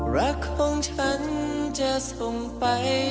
รักของฉันจะส่งไป